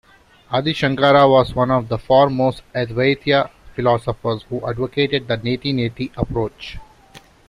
Adi Shankara was one of the foremost Advaita philosophers who advocated the neti-neti approach.